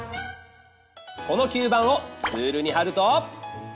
この吸盤をツールにはると。